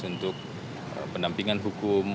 untuk pendampingan hukum